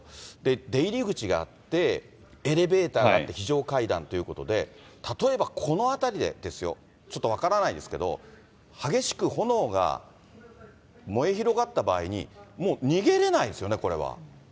出入り口があって、エレベーターがあって、非常階段ということで、例えばこの辺りでですよ、ちょっと分からないですけど、激しく炎が燃え広がった場合に、もう逃げれないですよね、これは。